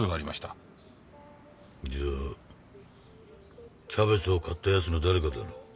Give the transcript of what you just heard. じゃあキャベツを買った奴の誰かだろう。